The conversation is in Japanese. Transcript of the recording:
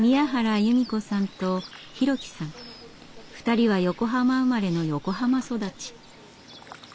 ２人は横浜生まれの横浜育ち。